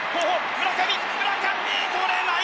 村上村上捕れない！